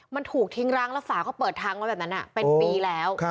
มันถูกทิ้งร้างแล้วฝาเขาเปิดทางไว้แบบนั้นเป็นปีแล้ว